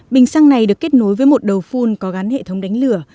bình xăng này được kết nối với một đầu phun có gắn hệ thống đánh lửa